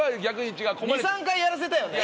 ２３回やらせたよね？